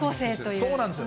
そうなんです。